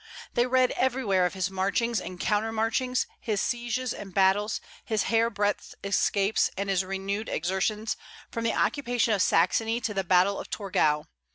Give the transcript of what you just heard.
They read everywhere of his marchings and counter marchings, his sieges and battles, his hair breadth escapes, and his renewed exertions, from the occupation of Saxony to the battle of Torgau.